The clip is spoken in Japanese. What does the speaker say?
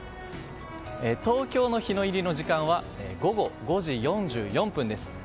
東京の日の入りの時間は午後５時４４分です。